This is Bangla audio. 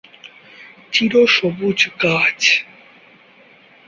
চিরসবুজ গাছ।